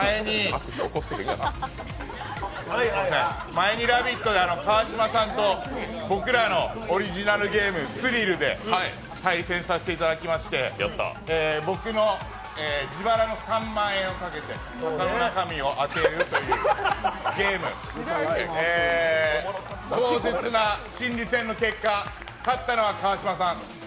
前に「ラヴィット！」で川島さんと僕らのオリジナルゲーム「スリル」で対戦させていただきまして、僕の自腹の３万円をかけて、箱の中身を当てるというゲームで壮絶な心理戦の結果、勝ったのは川島さん。